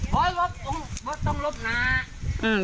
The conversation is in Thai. โบ๊กต้องลดหนา